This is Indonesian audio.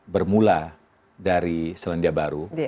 pula dari selandia baru